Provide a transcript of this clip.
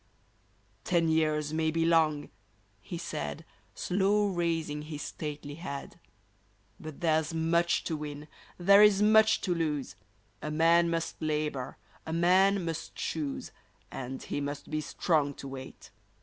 Ten years may be long," he said, Slow raising his stately head, *' But there's much to win, there is much to lose ; A man must labor, a man must choose. And he must be strong to wait